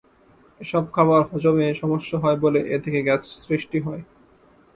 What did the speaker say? এসব খাবার হজমে সমস্যা হয় বলে এ থেকে গ্যাস সৃষ্টি হয়।